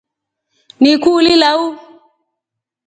Ni kuuli lau.